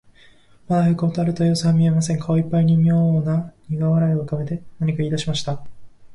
まだへこたれたようすは見えません。顔いっぱいにみょうなにが笑いをうかべて、何かいいだしました。